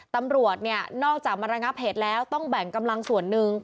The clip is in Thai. ตำรวจเนี่ยนอกจากมาระงับเหตุแล้วต้องแบ่งกำลังส่วนหนึ่ง